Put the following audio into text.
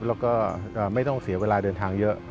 แล้วก็ไม่ต้องเสียเวลาเดินทางเยอะ